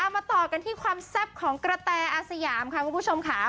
มาต่อกันที่ความแซ่บของกระแตอาสยามค่ะคุณผู้ชมค่ะ